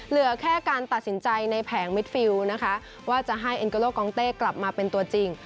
เหลือแค่การตัดสินใจในแผงมิดฟิลนะคะว่าจะให้เอ็นโกโลกองเต้กลับมาเป็นตัวจริง